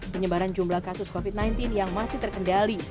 penyebaran jumlah kasus covid sembilan belas yang masih terkendali